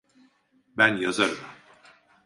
Ben yazarım.